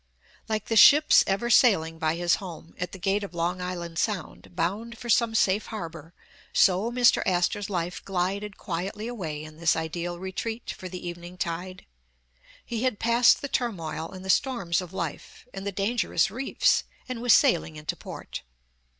LIKE the ships ever sailing by his home, at the gate of Long Island Sound, bound for some safe harbor, so Mr. Astor 's life glided quietly away in this ideal retreat for the evening tide. He had passed the turmoil and the storms of life, and the dangerous reefs, and was sailing into port.